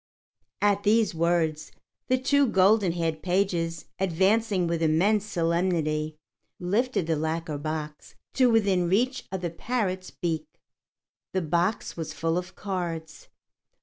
At these words, the two golden haired pages, advancing with immense solemnity, lifted the lacquer box to within reach of the parrot's beak. The box was full of cards.